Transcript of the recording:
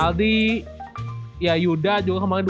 aldi ya yuda juga kemarin dua